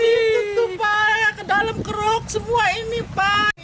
itu tuh pak ke dalam keruk semua ini pak